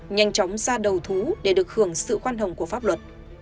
nhanh chóng ra đầu thú để được hưởng sự khoan hồng của pháp luật